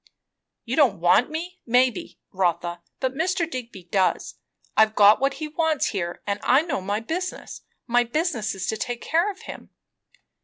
"You don't want me, maybe, Rotha, but Mr. Digby does. I've got what he wants here, and I knows my business. My business is to take care of him."